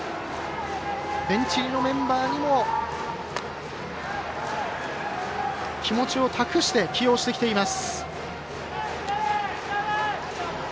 ベンチ入りのメンバーにも気持ちを託して起用してきています。